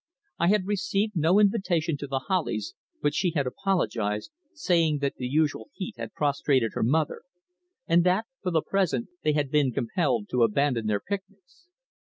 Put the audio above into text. I had received no invitation to The Hollies, but she had apologised, saying that the unusual heat had prostrated her mother, and that for the present they had been compelled to abandon their picnics.